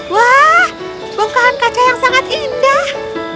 wah bongkahan kaca yang sangat indah